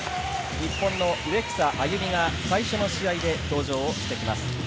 日本の植草歩が最初の試合で登場してきます。